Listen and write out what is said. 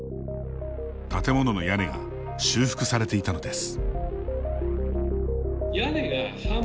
建物の屋根が修復されていたのです。